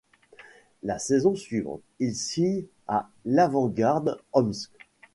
La saison suivante, il signe à l'Avangard Omsk.